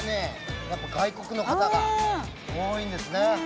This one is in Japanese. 外国の方が多いですね。